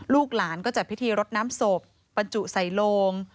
ลูกหลานก็จัดพิธีรดน้ำศพบรรจุใส่โลง